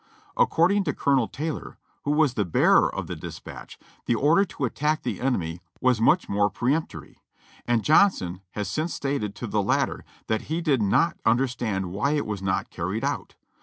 According to Colonel Taylor, who was the bearer of the dispatch, the order to attack the enemy was much more peremptory, and Johnson has since stated to the latter that he did not understand why it was not carried out.